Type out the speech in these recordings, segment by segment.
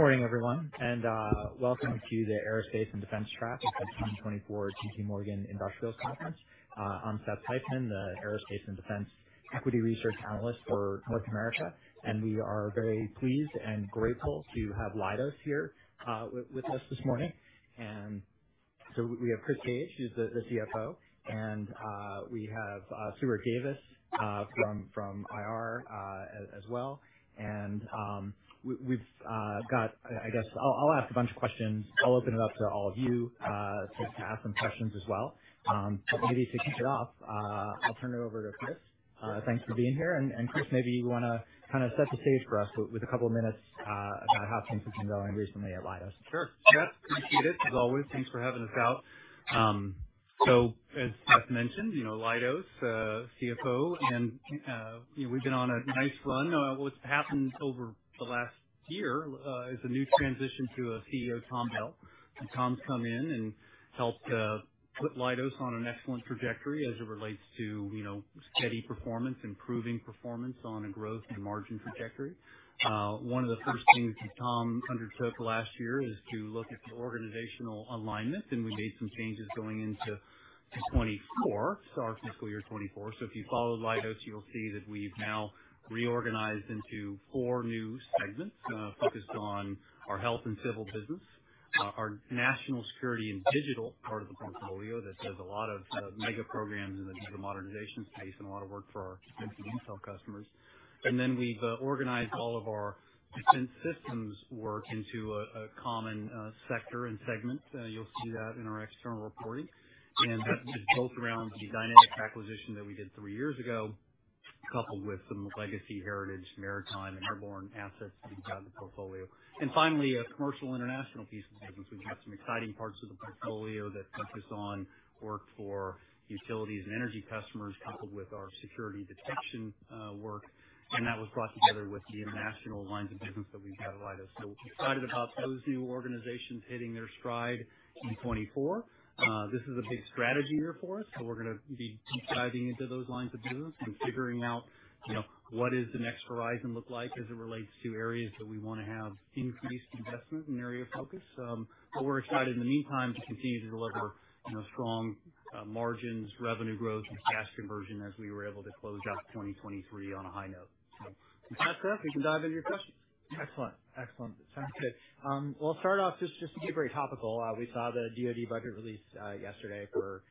Good morning, everyone, and welcome to the Aerospace and Defense Track at the 2024 JPMorgan Industrials Conference. I'm Seth Seifman, the Aerospace and Defense Equity Research Analyst for North America, and we are very pleased and grateful to have Leidos here with us this morning. And so we have Chris Cage, who's the CFO, and we have Stuart Davis from IR as well. And we've got, I guess, I'll ask a bunch of questions. I'll open it up to all of you to ask some questions as well. But maybe to kick it off, I'll turn it over to Chris. Thanks for being here, and Chris, maybe you want to kind of set the stage for us with a couple of minutes about how things have been going recently at Leidos. Sure. Seth, appreciate it as always. Thanks for having us out. So as Seth mentioned, Leidos CFO, and we've been on a nice run. What's happened over the last year is a new transition to a CEO, Tom Bell. Tom's come in and helped put Leidos on an excellent trajectory as it relates to steady performance, improving performance on a growth and margin trajectory. One of the first things that Tom undertook last year is to look at the organizational alignment, and we made some changes going into 2024, so our fiscal year 2024. So if you follow Leidos, you'll see that we've now reorganized into four new segments focused on our health and civil business, our national security and digital part of the portfolio that does a lot of mega programs in the digital modernization space, and a lot of work for our defense and intel customers. Then we've organized all of our defense systems work into a common sector and segment. You'll see that in our external reporting, and that is built around the Dynetics acquisition that we did three years ago, coupled with some legacy heritage, maritime, and airborne assets that we've got in the portfolio. Finally, a commercial international piece of business. We've got some exciting parts of the portfolio that focus on work for utilities and energy customers, coupled with our security detection work, and that was brought together with the international lines of business that we've got at Leidos. So excited about those new organizations hitting their stride in 2024. This is a big strategy year for us, so we're going to be deep diving into those lines of business and figuring out what does the next horizon look like as it relates to areas that we want to have increased investment and area of focus. But we're excited in the meantime to continue to deliver strong margins, revenue growth, and cash conversion as we were able to close out 2023 on a high note. So with that said, we can dive into your questions. Excellent. Excellent. Sounds good. Well, I'll start off just to be very topical. We saw the DoD budget release yesterday for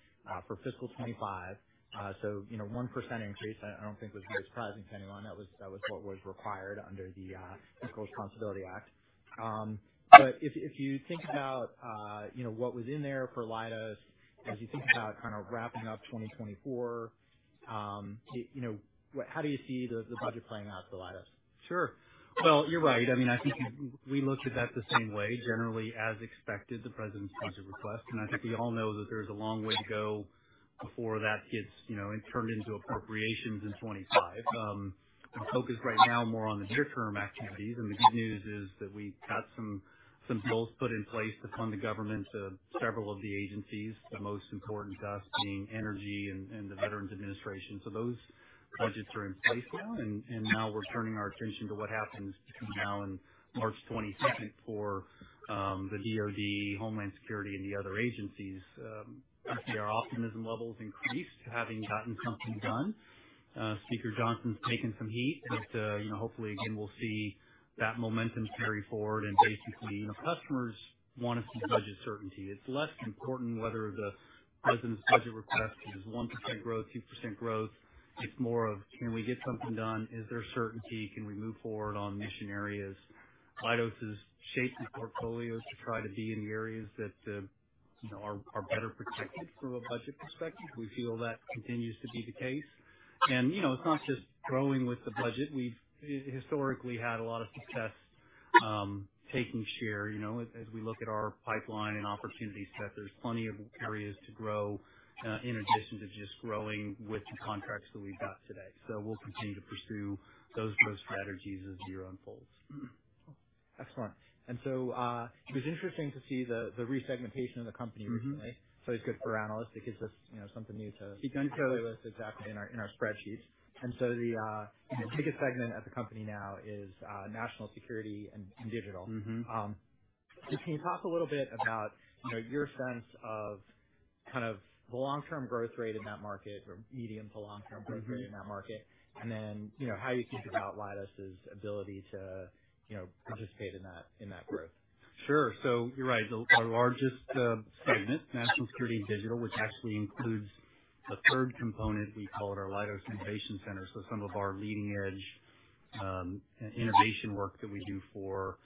fiscal 2025, so 1% increase I don't think was very surprising to anyone. That was what was required under the Fiscal Responsibility Act. But if you think about what was in there for Leidos, as you think about kind of wrapping up 2024, how do you see the budget playing out for Leidos? Sure. Well, you're right. I mean, I think we looked at that the same way, generally as expected, the president's budget request, and I think we all know that there's a long way to go before that gets turned into appropriations in 2025. I'm focused right now more on the near-term activities, and the good news is that we've got some goals put in place to fund the government, several of the agencies, the most important to us being energy and the Veterans Administration. So those budgets are in place now, and now we're turning our attention to what happens between now and March 22nd for the DoD, Homeland Security, and the other agencies. I think our optimism levels increased having gotten something done. Speaker Johnson's taken some heat, but hopefully, again, we'll see that momentum carry forward, and basically, customers want to see budget certainty. It's less important whether the president's budget request is 1% growth, 2% growth. It's more of, "Can we get something done? Is there certainty? Can we move forward on mission areas?" Leidos has shaped the portfolio to try to be in the areas that are better protected from a budget perspective. We feel that continues to be the case. And it's not just growing with the budget. We've historically had a lot of success taking share. As we look at our pipeline and opportunity set, there's plenty of areas to grow in addition to just growing with the contracts that we've got today. So we'll continue to pursue those growth strategies as the year unfolds. Excellent. And so it was interesting to see the resegmentation of the company recently, so it's good for analysts. It gives us something new to play with exactly in our spreadsheets. And so the biggest segment at the company now is national security and digital. Can you talk a little bit about your sense of kind of the long-term growth rate in that market, or medium to long-term growth rate in that market, and then how you think about Leidos' ability to participate in that growth? Sure. So you're right. Our largest segment, national security and digital, which actually includes the third component, we call it our Leidos Innovation Center. So some of our leading-edge innovation work that we do for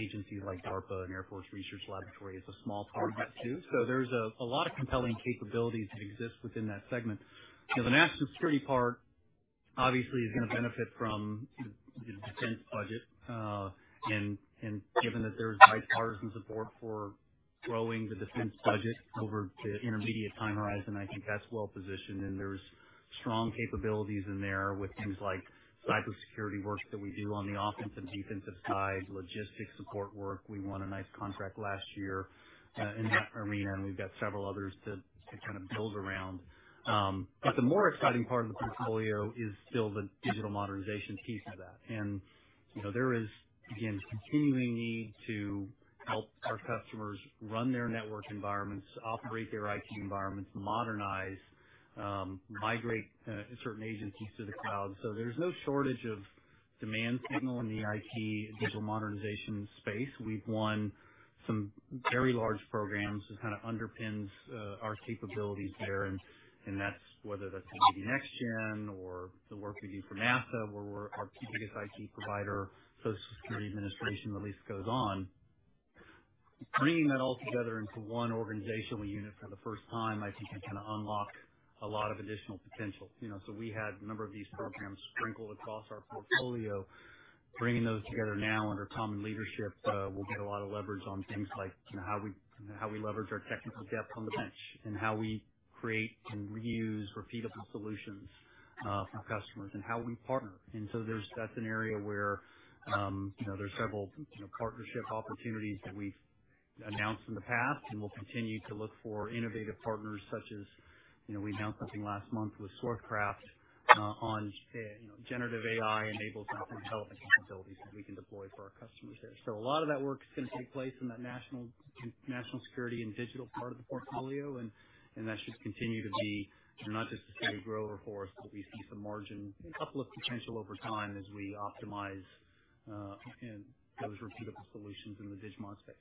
agencies like DARPA and Air Force Research Laboratory is a small part of that too. So there's a lot of compelling capabilities that exist within that segment. The national security part, obviously, is going to benefit from the defense budget, and given that there's bipartisan support for growing the defense budget over the intermediate time horizon, I think that's well positioned, and there's strong capabilities in there with things like cybersecurity work that we do on the offense and defensive side, logistics support work. We won a nice contract last year in that arena, and we've got several others to kind of build around. But the more exciting part of the portfolio is still the digital modernization piece of that, and there is, again, continuing need to help our customers run their network environments, operate their IT environments, modernize, migrate certain agencies to the cloud. So there's no shortage of demand signal in the IT digital modernization space. We've won some very large programs. It kind of underpins our capabilities there, and that's whether that's the Navy NextGen or the work we do for NASA, where we're the biggest IT provider, Social Security Administration, the list goes on. Bringing that all together into one organizational unit for the first time, I think, can kind of unlock a lot of additional potential. So we had a number of these programs sprinkled across our portfolio. Bringing those together now under Tom's leadership, we'll get a lot of leverage on things like how we leverage our technical depth on the bench, and how we create and reuse repeatable solutions for customers, and how we partner. So that's an area where there's several partnership opportunities that we've announced in the past, and we'll continue to look for innovative partners such as we announced something last month with SwordCraft on generative AI-enabled sensor development capabilities that we can deploy for our customers there. So a lot of that work is going to take place in that national security and digital part of the portfolio, and that should continue to be not just a steady growth for us, but we see some margin, a couple of potential over time as we optimize those repeatable solutions in the DigiMod space.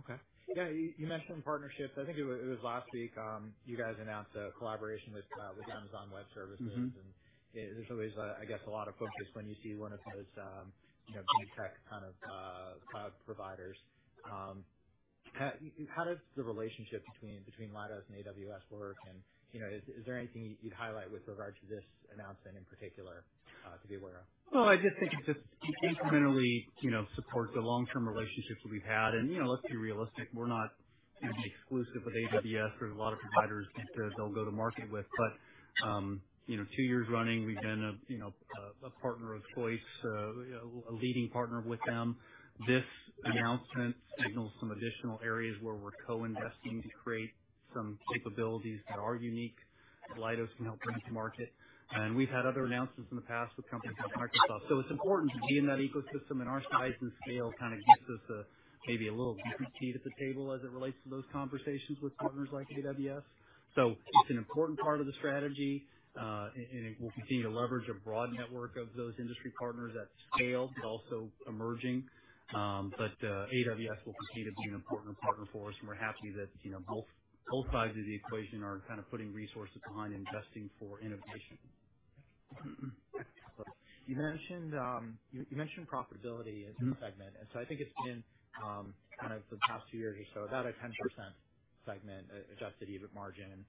Okay. Yeah. You mentioned partnerships. I think it was last week you guys announced a collaboration with Amazon Web Services, and there's always, I guess, a lot of focus when you see one of those big tech kind of cloud providers. How does the relationship between Leidos and AWS work, and is there anything you'd highlight with regard to this announcement in particular to be aware of? Well, I just think it just incrementally supports the long-term relationships that we've had. Let's be realistic. We're not going to be exclusive with AWS. There's a lot of providers that they'll go to market with, but two years running, we've been a partner of choice, a leading partner with them. This announcement signals some additional areas where we're co-investing to create some capabilities that are unique that Leidos can help bring to market. We've had other announcements in the past with companies like Microsoft. It's important to be in that ecosystem, and our size and scale kind of gives us maybe a little different seat at the table as it relates to those conversations with partners like AWS. It's an important part of the strategy, and we'll continue to leverage a broad network of those industry partners that scale but also emerging. But AWS will continue to be an important partner for us, and we're happy that both sides of the equation are kind of putting resources behind investing for innovation. You mentioned profitability as a segment, and so I think it's been kind of the past two years or so about a 10% segment adjusted EBIT margin.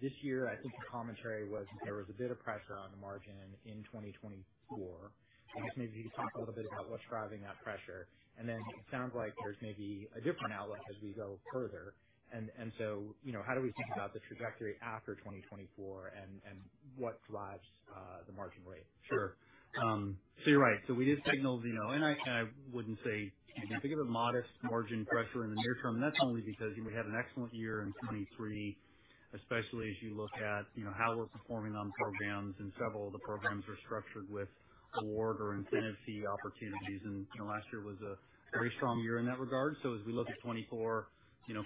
This year, I think your commentary was that there was a bit of pressure on the margin in 2024. I guess maybe if you could talk a little bit about what's driving that pressure, and then it sounds like there's maybe a different outlook as we go further. And so how do we think about the trajectory after 2024, and what drives the margin rate? Sure. So you're right. So we did signal that, and I wouldn't say if you think of a modest margin pressure in the near term, that's only because we had an excellent year in 2023, especially as you look at how we're performing on programs, and several of the programs are structured with award or incentive fee opportunities. And last year was a very strong year in that regard. So as we look at 2024,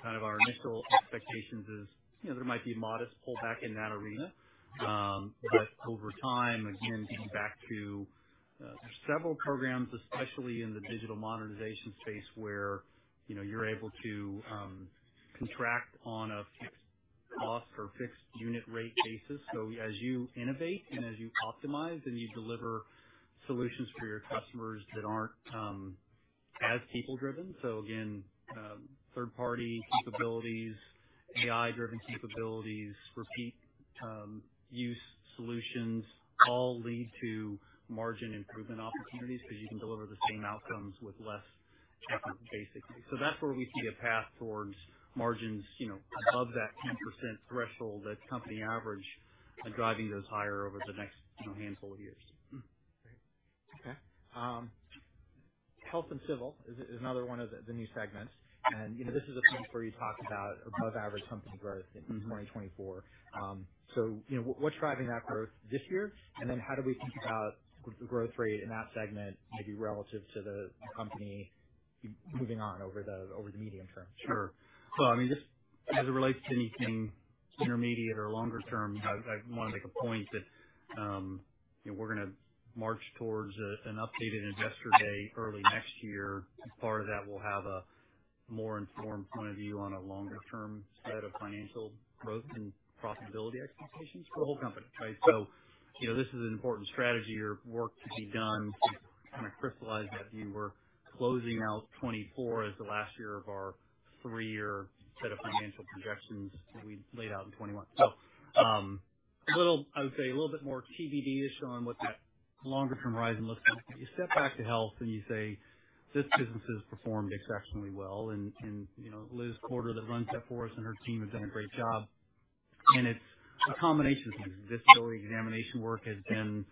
kind of our initial expectations is there might be a modest pullback in that arena, but over time, again, getting back to there's several programs, especially in the digital modernization space, where you're able to contract on a fixed cost or fixed unit rate basis. As you innovate and as you optimize and you deliver solutions for your customers that aren't as people-driven so again, third-party capabilities, AI-driven capabilities, repeat-use solutions all lead to margin improvement opportunities because you can deliver the same outcomes with less effort, basically. That's where we see a path towards margins above that 10% threshold that company average, and driving those higher over the next handful of years. Great. Okay. Health and Civil is another one of the new segments, and this is a piece where you talked about above-average company growth in 2024. So what's driving that growth this year, and then how do we think about the growth rate in that segment maybe relative to the company moving on over the medium term? Sure. Well, I mean, just as it relates to anything intermediate or longer term, I want to make a point that we're going to march towards an updated investor day early next year. As part of that, we'll have a more informed point of view on a longer-term set of financial growth and profitability expectations for the whole company, right? So this is an important strategy. Your work to be done to kind of crystallize that view. We're closing out 2024 as the last year of our three-year set of financial projections that we laid out in 2021. So I would say a little bit more TBD-ish on what that longer-term horizon looks like. You step back to health, and you say, "This business has performed exceptionally well," and Liz Porter, that runs that for us and her team, have done a great job. And it's a combination of things. Disability examination work has been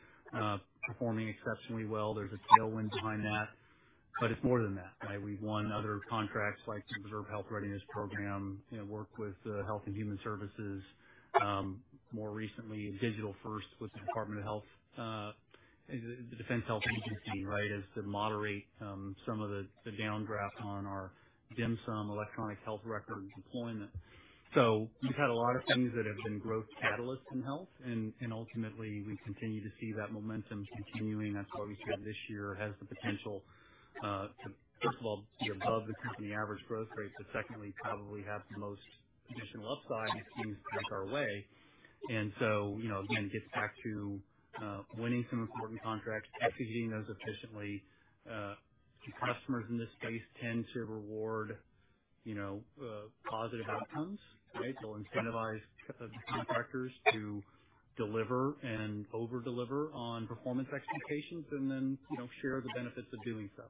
performing exceptionally well. There's a tailwind behind that, but it's more than that, right? We've won other contracts like the Observe Health Readiness Program, worked with Health and Human Services more recently, Digital First with the Department of Health, the Defense Health Agency, right, as to moderate some of the downdraft on our DHMSM, Electronic Health Record Deployment. So we've had a lot of things that have been growth catalysts in health, and ultimately, we continue to see that momentum continuing. That's why we said this year has the potential to, first of all, be above the company average growth rate, but secondly, probably have the most additional upside if things break our way. And so, again, it gets back to winning some important contracts, executing those efficiently. Customers in this space tend to reward positive outcomes, right? They'll incentivize contractors to deliver and over-deliver on performance expectations and then share the benefits of doing so.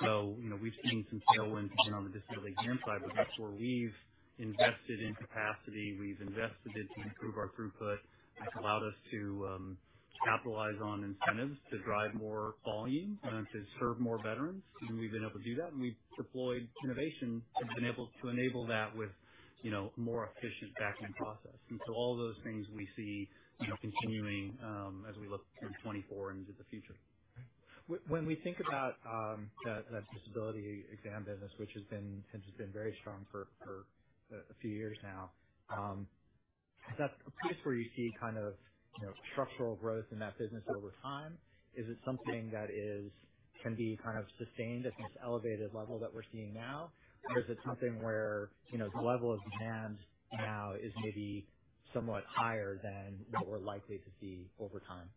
So we've seen some tailwinds, again, on the disability exam side, but that's where we've invested in capacity. We've invested it to improve our throughput. It's allowed us to capitalize on incentives to drive more volume and to serve more veterans, and we've been able to do that, and we've deployed innovation and been able to enable that with a more efficient backing process. And so all of those things we see continuing as we look in 2024 and into the future. When we think about that disability exam business, which has been very strong for a few years now, is that a place where you see kind of structural growth in that business over time? Is it something that can be kind of sustained at this elevated level that we're seeing now, or is it something where the level of demand now is maybe somewhat higher than what we're likely to see over time?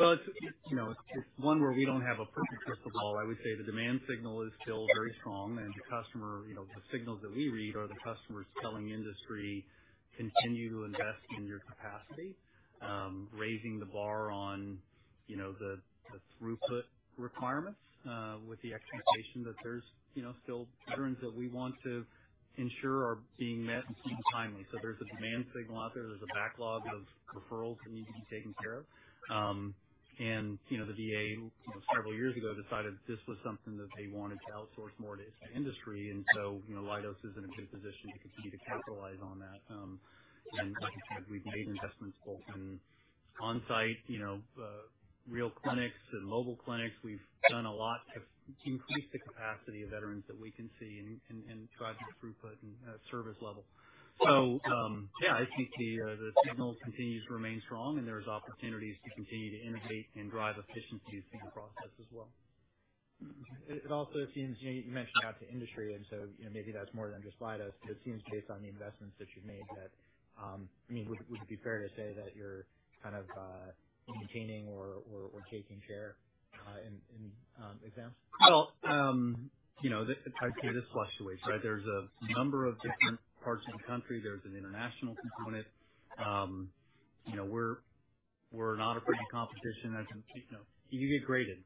Well, it's one where we don't have a perfect crystal ball. I would say the demand signal is still very strong, and the customer's signals that we read are the customer's telling industry, "Continue to invest in your capacity," raising the bar on the throughput requirements with the expectation that there's still veterans that we want to ensure are being met and seen timely. So there's a demand signal out there. There's a backlog of referrals that need to be taken care of, and the VA, several years ago, decided this was something that they wanted to outsource more to industry, and so Leidos is in a good position to continue to capitalize on that. And like I said, we've made investments both in on-site real clinics and mobile clinics. We've done a lot to increase the capacity of veterans that we can see and drive the throughput and service level. So yeah, I think the signal continues to remain strong, and there's opportunities to continue to innovate and drive efficiencies through the process as well. It also seems you mentioned outreach to industry, and so maybe that's more than just Leidos, but it seems based on the investments that you've made that I mean, would it be fair to say that you're kind of maintaining or taking share in exams? Well, I'd say this fluctuates, right? There's a number of different parts of the country. There's an international component. We're not a pretty competition as in you get graded.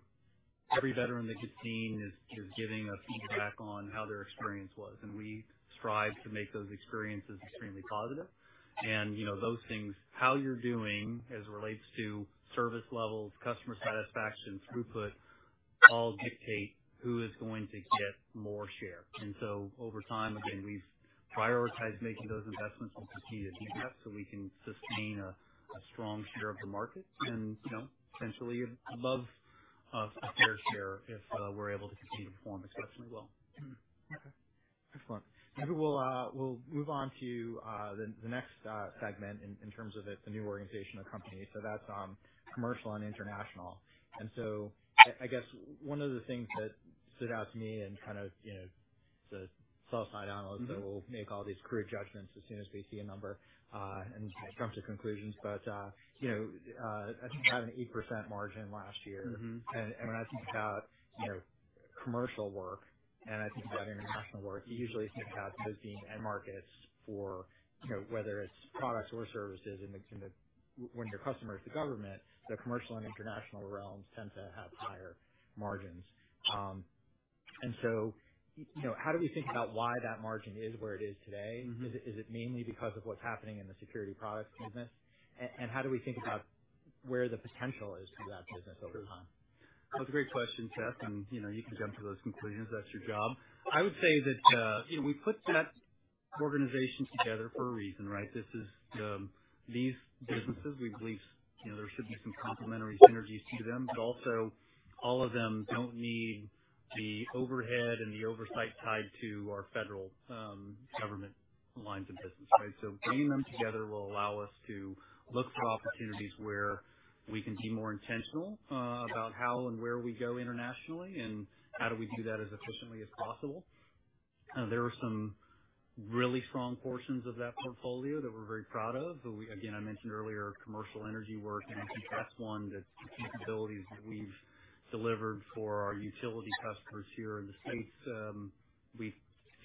Every veteran that gets seen is giving a feedback on how their experience was, and we strive to make those experiences extremely positive. Those things, how you're doing as it relates to service levels, customer satisfaction, throughput, all dictate who is going to get more share. So over time, again, we've prioritized making those investments to continue to deepen that so we can sustain a strong share of the market and essentially above a fair share if we're able to continue to perform exceptionally well. Okay. Excellent. Maybe we'll move on to the next segment in terms of the new organization or company, so that's commercial and international. So I guess one of the things that stood out to me and kind of it's a sell-side analyst that will make all these career judgments as soon as they see a number and jump to conclusions, but I think you had an 8% margin last year. When I think about commercial work and I think about international work, you usually think about those being markets for whether it's products or services. When your customer is the government, the commercial and international realms tend to have higher margins. So how do we think about why that margin is where it is today? Is it mainly because of what's happening in the security products business, and how do we think about where the potential is for that business over time? That's a great question, Tess, and you can jump to those conclusions. That's your job. I would say that we put that organization together for a reason, right? These businesses, we believe there should be some complementary synergies to them, but also all of them don't need the overhead and the oversight tied to our federal government lines of business, right? So bringing them together will allow us to look for opportunities where we can be more intentional about how and where we go internationally and how do we do that as efficiently as possible. There were some really strong portions of that portfolio that we're very proud of. Again, I mentioned earlier commercial energy work, and I think that's one that's the capabilities that we've delivered for our utility customers here in the States. We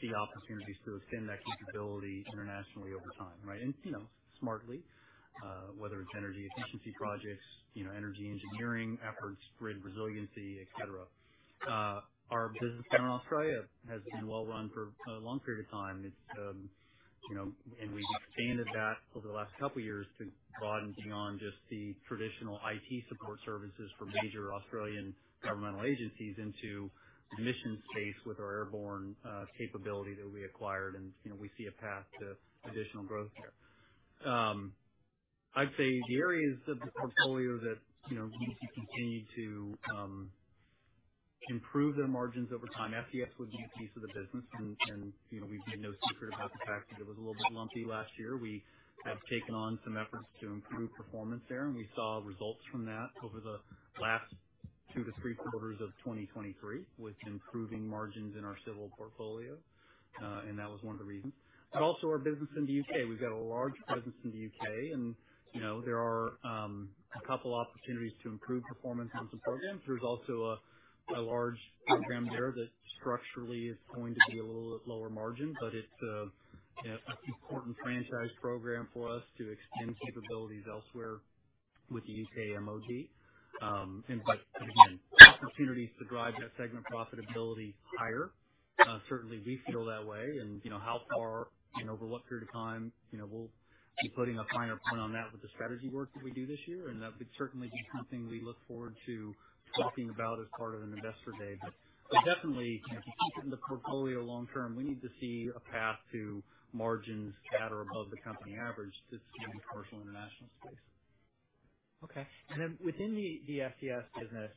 see opportunities to extend that capability internationally over time, right, and smartly, whether it's energy efficiency projects, energy engineering efforts, grid resiliency, etc. Our business plan in Australia has been well-run for a long period of time, and we've expanded that over the last couple of years to broaden beyond just the traditional IT support services for major Australian governmental agencies into the mission space with our airborne capability that we acquired, and we see a path to additional growth there. I'd say the areas of the portfolio that need to continue to improve their margins over time, FDS would be a piece of the business, and we've made no secret about the fact that it was a little bit lumpy last year. We have taken on some efforts to improve performance there, and we saw results from that over the last 2-3 quarters of 2023 with improving margins in our civil portfolio, and that was one of the reasons. But also, our business in the U.K. We've got a large presence in the U.K., and there are a couple of opportunities to improve performance on some programs. There's also a large program there that structurally is going to be a little bit lower margin, but it's an important franchise program for us to extend capabilities elsewhere with the U.K. MOD. But again, opportunities to drive that segment profitability higher. Certainly, we feel that way, and how far and over what period of time we'll be putting a finer point on that with the strategy work that we do this year, and that would certainly be something we look forward to talking about as part of an investor day. But definitely, if you keep it in the portfolio long term, we need to see a path to margins that are above the company average to the commercial international space. Okay. And then within the FDS business,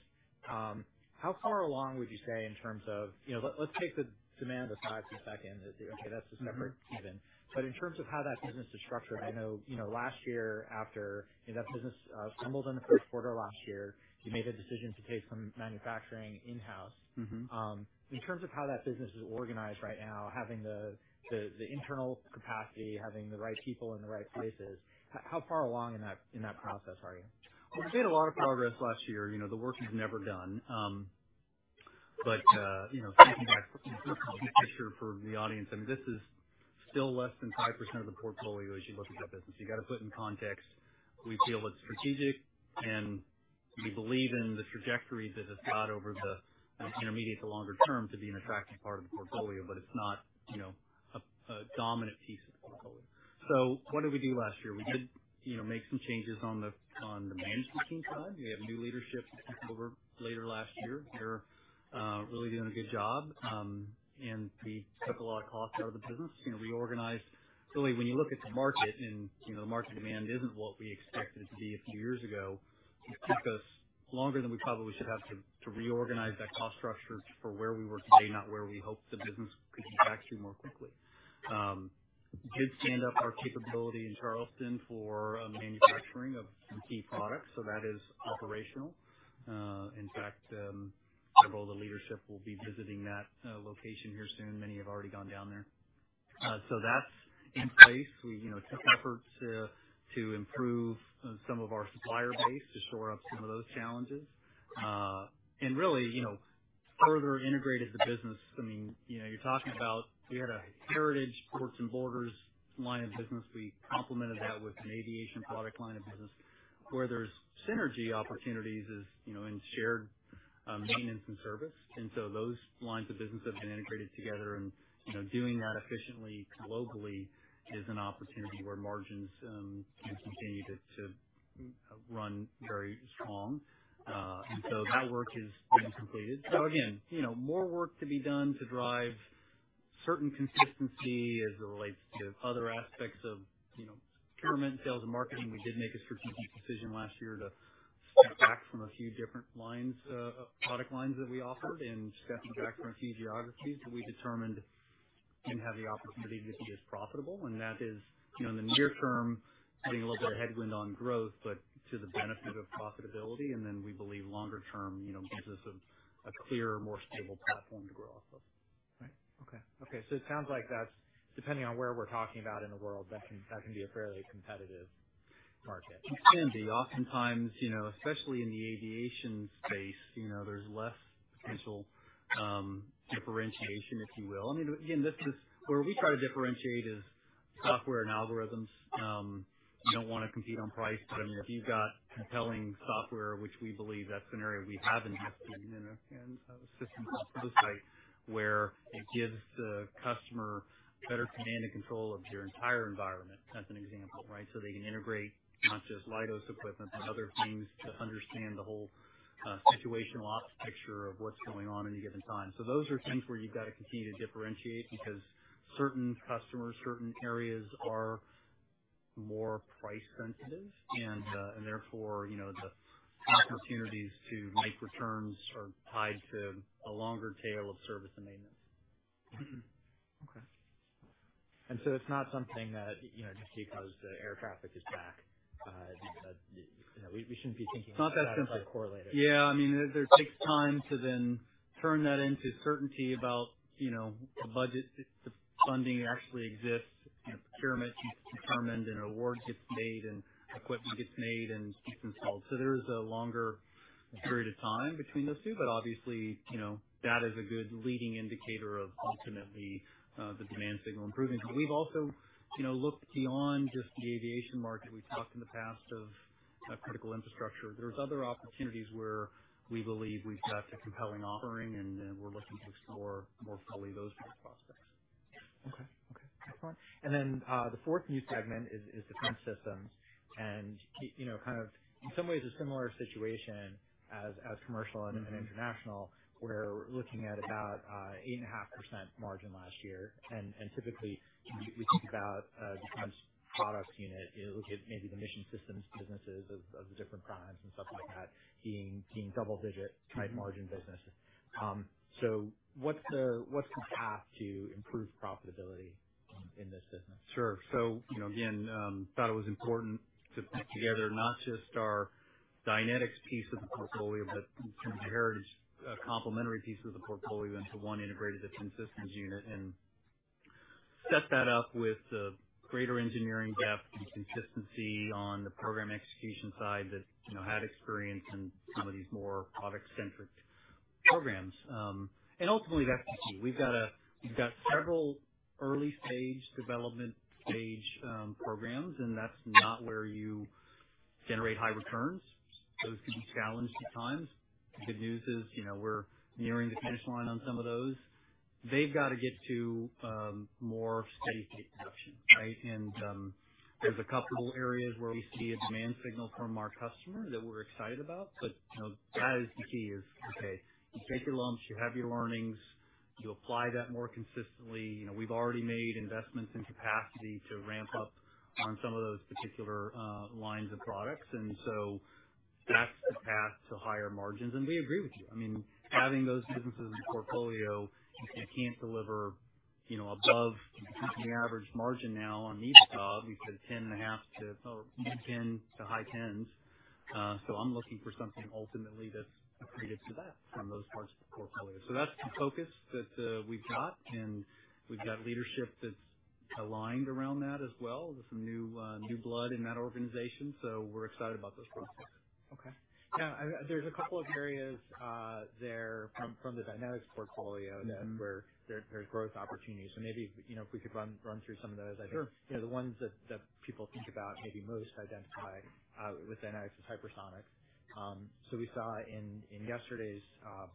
how far along would you say in terms of, let's take the demand aside for a second. Okay, that's a separate given. But in terms of how that business is structured, I know last year after that business stumbled on the first quarter last year, you made a decision to take some manufacturing in-house. In terms of how that business is organized right now, having the internal capacity, having the right people in the right places, how far along in that process are you? We've made a lot of progress last year. The work is never done, but thinking back in the picture for the audience, I mean, this is still less than 5% of the portfolio as you look at that business. You've got to put it in context. We feel it's strategic, and we believe in the trajectory that it's got over the intermediate to longer term to be an attractive part of the portfolio, but it's not a dominant piece of the portfolio. So what did we do last year? We did make some changes on the management team side. We have new leadership over later last year. They're really doing a good job, and we took a lot of costs out of the business. Reorganized, really, when you look at the market and the market demand isn't what we expected it to be a few years ago, it took us longer than we probably should have to reorganize that cost structure for where we were today, not where we hoped the business could be back to more quickly. Did stand up our capability in Charleston for manufacturing of some key products, so that is operational. In fact, several of the leadership will be visiting that location here soon. Many have already gone down there. So that's in place. We took efforts to improve some of our supplier base to shore up some of those challenges and really further integrated the business. I mean, you're talking about we had a heritage ports and borders line of business. We complemented that with an aviation product line of business where there's synergy opportunities in shared maintenance and service, and so those lines of business have been integrated together, and doing that efficiently globally is an opportunity where margins can continue to run very strong. So that work is being completed. So again, more work to be done to drive certain consistency as it relates to other aspects of procurement, sales, and marketing. We did make a strategic decision last year to step back from a few different product lines that we offered and step back from a few geographies that we determined didn't have the opportunity to be as profitable, and that is, in the near term, getting a little bit of headwind on growth but to the benefit of profitability, and then we believe longer term gives us a clearer, more stable platform to grow off of. Right. Okay. Okay. So it sounds like that's, depending on where we're talking about in the world, that can be a fairly competitive market. It can be. Oftentimes, especially in the aviation space, there's less potential differentiation, if you will. I mean, again, where we try to differentiate is software and algorithms. You don't want to compete on price, but I mean, if you've got compelling software, which we believe that's an area we have invested in and a system that's on-site where it gives the customer better command and control of their entire environment, as an example, right, so they can integrate not just Leidos equipment but other things to understand the whole situational ops picture of what's going on at any given time. So those are things where you've got to continue to differentiate because certain customers, certain areas are more price-sensitive, and therefore, the opportunities to make returns are tied to a longer tail of service and maintenance. Okay. And so it's not something that just because the air traffic is back that we shouldn't be thinking about that. It's not that simply correlated. Yeah. I mean, there takes time to then turn that into certainty about the budget, the funding actually exists, procurement's determined, and an award gets made, and equipment gets made, and it's installed. So there is a longer period of time between those two, but obviously, that is a good leading indicator of ultimately the demand signal improving. We've also looked beyond just the aviation market. We've talked in the past of critical infrastructure. There's other opportunities where we believe we've got a compelling offering, and we're looking to explore more fully those prospects. Okay. Okay. Excellent. And then the fourth new segment is defense systems and kind of in some ways a similar situation as commercial and international where we're looking at about 8.5% margin last year, and typically, we think about defense products unit. You look at maybe the mission systems businesses of the different primes and stuff like that being double-digit type margin businesses. So what's the path to improve profitability in this business? Sure. So again, thought it was important to put together not just our Dynetics piece of the portfolio but some of the heritage complementary pieces of the portfolio into one integrated defense systems unit and set that up with greater engineering depth and consistency on the program execution side that had experience in some of these more product-centric programs. And ultimately, that's the key. We've got several early-stage development stage programs, and that's not where you generate high returns. Those can be challenged at times. The good news is we're nearing the finish line on some of those. They've got to get to more steady state production, right, and there's a couple of areas where we see a demand signal from our customer that we're excited about, but that is the key is, okay, you take your lumps, you have your earnings, you apply that more consistently. We've already made investments in capacity to ramp up on some of those particular lines of products, and so that's the path to higher margins, and we agree with you. I mean, having those businesses in the portfolio, if you can't deliver above the average margin now on these jobs, we said 10.5% or mid-10s to high 10s. So I'm looking for something ultimately that's accretive to that from those parts of the portfolio. So that's the focus that we've got, and we've got leadership that's aligned around that as well. There's some new blood in that organization, so we're excited about those prospects. Okay. Yeah. There's a couple of areas there from the Dynetics portfolio where there's growth opportunities. So maybe if we could run through some of those. I think the ones that people think about maybe most identify with Dynetics is hypersonics. So we saw in yesterday's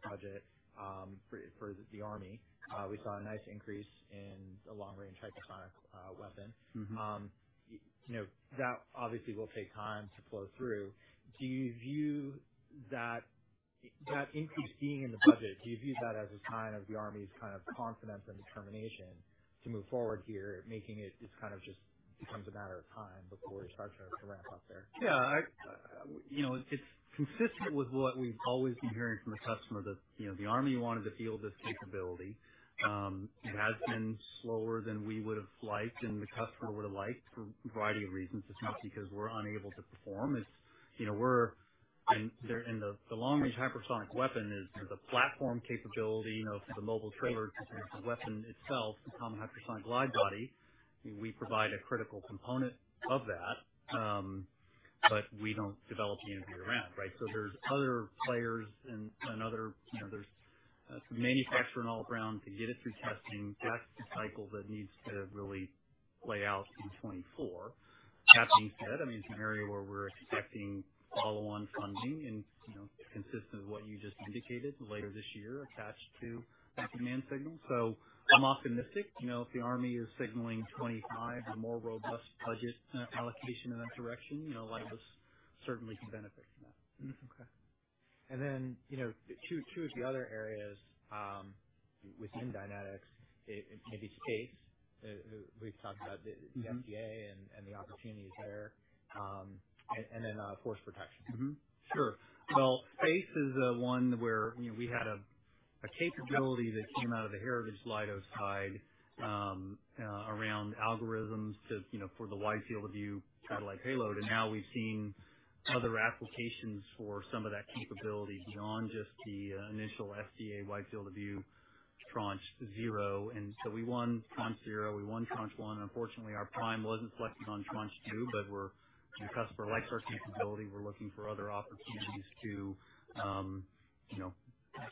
budget for the army, we saw a nice increase in a long-range hypersonic weapon. That obviously will take time to flow through. Do you view that increase being in the budget? Do you view that as a sign of the army's kind of confidence and determination to move forward here, making it just kind of becomes a matter of time before you start to ramp up there? Yeah. It's consistent with what we've always been hearing from the customer that the Army wanted to feel this capability. It has been slower than we would have liked and the customer would have liked for a variety of reasons. It's not because we're unable to perform. And the Long-Range Hypersonic Weapon is the platform capability. For the mobile trailer, the weapon itself, the Common Hypersonic Glide Body, we provide a critical component of that, but we don't develop the energy around, right? So there's other players and other there's some manufacturing all-around to get it through testing. That's the cycle that needs to really play out in 2024. That being said, I mean, it's an area where we're expecting follow-on funding consistent with what you just indicated later this year attached to that demand signal. So I'm optimistic. If the Army is signaling 2025 a more robust budget allocation in that direction, Leidos certainly can benefit from that. Okay. And then two of the other areas within Dynetics, maybe space. We've talked about the SDA and the opportunities there, and then force protection. Sure. Well, space is one where we had a capability that came out of the heritage Leidos side around algorithms for the wide field of view satellite payload, and now we've seen other applications for some of that capability beyond just the initial SDA wide field of view tranche zero. And so we won tranche zero. We won tranche one. Unfortunately, our prime wasn't selected on tranche two, but the customer likes our capability. We're looking for other opportunities to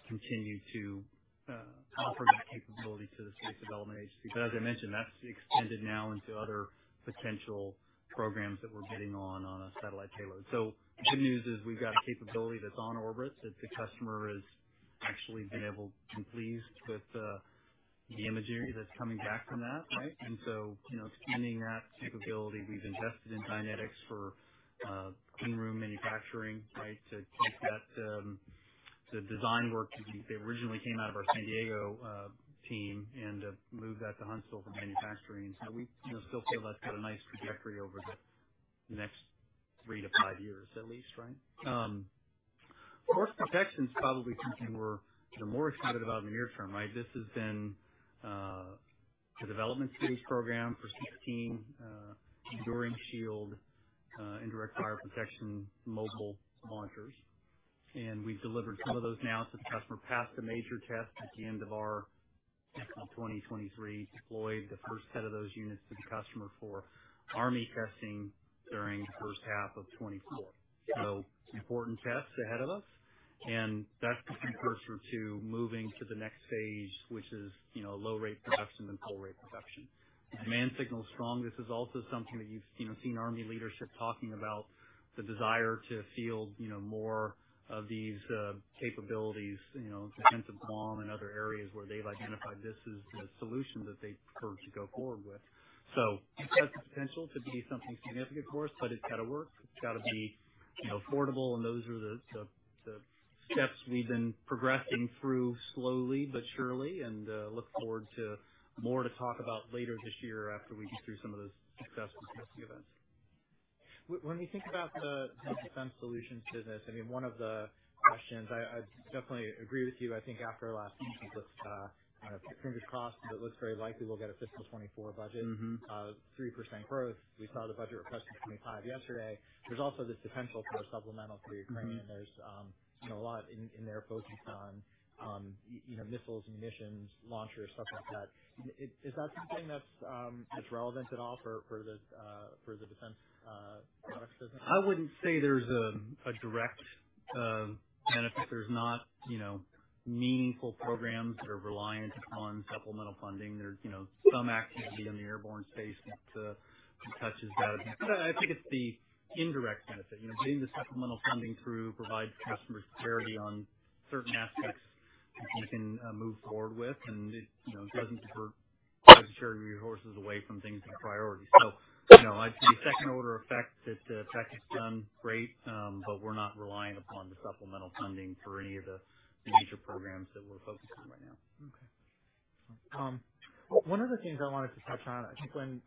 continue to offer that capability to the Space Development Agency. But as I mentioned, that's extended now into other potential programs that we're bidding on on a satellite payload. So the good news is we've got a capability that's on orbit that the customer has actually been able to be pleased with the imagery that's coming back from that, right, and so extending that capability. We've invested in Dynetics for clean room manufacturing, right, to keep that the design work to be it originally came out of our San Diego team and moved that to Huntsville for manufacturing, and so we still feel that's got a nice trajectory over the next 3-5 years at least, right? Force protection's probably something we're more excited about in the near term, right? This has been the development stage program for 16 Enduring Shield indirect fire protection mobile monitors, and we've delivered some of those now to the customer. Passed a major test at the end of our next one, 2023, deployed the first set of those units to the customer for army testing during the first half of 2024. So important tests ahead of us, and that's the precursor to moving to the next stage, which is low-rate production and full-rate production. The demand signal's strong. This is also something that you've seen army leadership talking about, the desire to field more of these capabilities, Defense of Guam and other areas where they've identified this as the solution that they prefer to go forward with. So it's got the potential to be something significant for us, but it's got to work. It's got to be affordable, and those are the steps we've been progressing through slowly but surely and look forward to more to talk about later this year after we get through some of those successful testing events. When we think about the defense solutions business, I mean, one of the questions I definitely agree with you. I think after our last meeting, it looks kind of fingers crossed, but it looks very likely we'll get a fiscal 2024 budget, 3% growth. We saw the budget request for 2025 yesterday. There's also this potential for a supplemental for Ukraine. There's a lot in their focus on missiles and munitions, launchers, stuff like that. Is that something that's relevant at all for the defense products business? I wouldn't say there's a direct benefit. There's not meaningful programs that are reliant upon supplemental funding. There's some activity in the airborne space that touches that. I think it's the indirect benefit. Getting the supplemental funding through provides customers clarity on certain aspects that we can move forward with, and it doesn't divert budgetary resources away from things that are priority. So I'd say second-order effect that tech has done great, but we're not reliant upon the supplemental funding for any of the major programs that we're focusing right now. Okay. Excellent. One of the things I wanted to touch on, I think when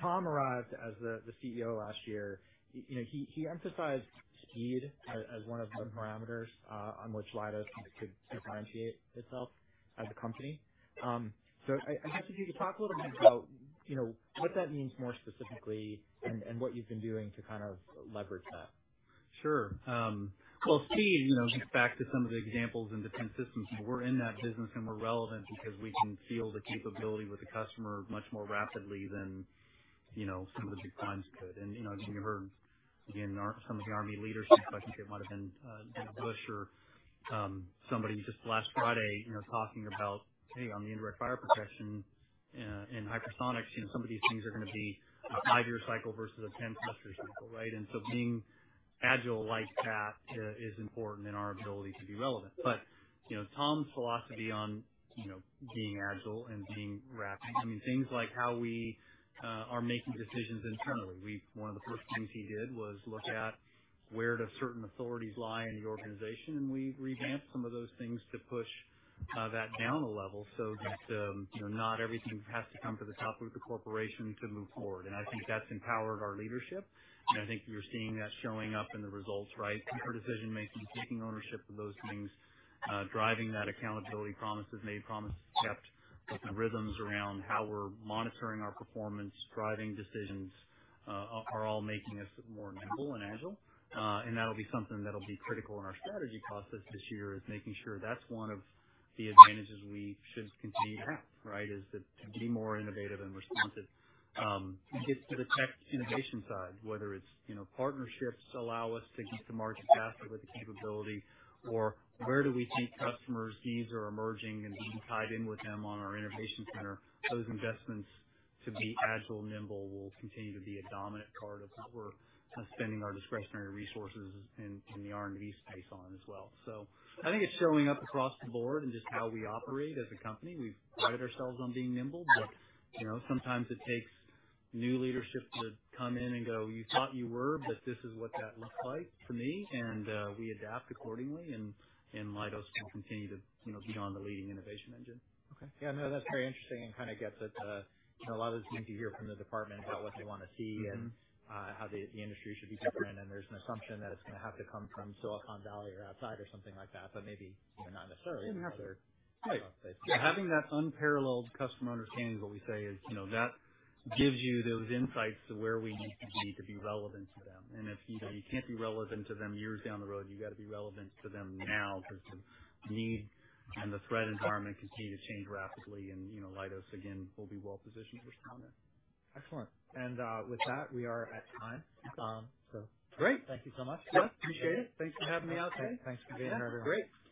Tom arrived as the CEO last year, he emphasized speed as one of the parameters on which Leidos could differentiate itself as a company. So I guess if you could talk a little bit about what that means more specifically and what you've been doing to kind of leverage that. Sure. Well, speed gets back to some of the examples in defense systems. We're in that business, and we're relevant because we can feel the capability with the customer much more rapidly than some of the big primes could. And again, you heard, again, some of the army leadership, like I said, might have been Bush or somebody just last Friday talking about, "Hey, on the indirect fire protection and hypersonics, some of these things are going to be a 5-year cycle versus a 10-year cycle," right? And so being agile like that is important in our ability to be relevant. But Tom's philosophy on being agile and being rapid, I mean, things like how we are making decisions internally. One of the first things he did was look at where do certain authorities lie in the organization, and we revamped some of those things to push that down a level so that not everything has to come from the top of the corporation to move forward. I think that's empowered our leadership, and I think you're seeing that showing up in the results, right, for decision-making, taking ownership of those things, driving that accountability promise that's made, promise that's kept, the rhythms around how we're monitoring our performance, driving decisions are all making us more nimble and agile. That'll be something that'll be critical in our strategy process this year is making sure that's one of the advantages we should continue to have, right, is to be more innovative and responsive. It gets to the tech innovation side, whether it's partnerships allow us to get to market faster with the capability or where do we think customers' needs are emerging and we can tie in with them on our innovation center. Those investments to be agile, nimble will continue to be a dominant part of what we're spending our discretionary resources in the R&D space on as well. So I think it's showing up across the board in just how we operate as a company. We've prided ourselves on being nimble, but sometimes it takes new leadership to come in and go, "You thought you were, but this is what that looks like for me," and we adapt accordingly, and Leidos can continue to be on the leading innovation engine. Okay. Yeah. No, that's very interesting and kind of gets it. A lot of this is going to be heard from the department about what they want to see and how the industry should be different, and there's an assumption that it's going to have to come from Silicon Valley or outside or something like that, but maybe not necessarily. It's another space. Yeah. Having that unparalleled customer understanding is what we say is that gives you those insights to where we need to be to be relevant to them. If you can't be relevant to them years down the road, you got to be relevant to them now because the need and the threat environment continue to change rapidly, and Leidos, again, will be well-positioned to respond to that. Excellent. With that, we are at time, so. Great. Thank you so much. Yep. Appreciate it. Thanks for having me out today. Thanks for being here today. Yeah. Great.